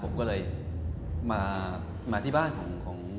ผมก็เลยมาที่บ้านของ